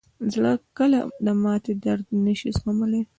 زړه کله د ماتې درد نه شي زغملی.